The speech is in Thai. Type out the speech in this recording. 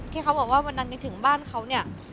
ที่เขาบอกว่ามันดังกันถึงบ้านเขาเนี่ย